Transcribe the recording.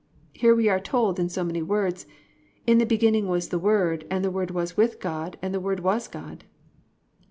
Here we are told in so many words: +"In the beginning was the word and the word was with God and the word was God."